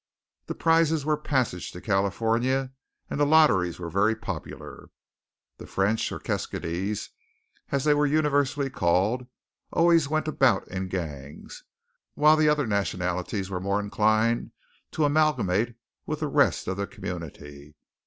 The prizes were passages to California, and the lotteries were very popular. The French, or keskydees, as they were universally called, always went about in gangs, while the other nationalities were more inclined to amalgamate with the rest of the community.